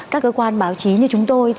các cơ quan báo chí như chúng tôi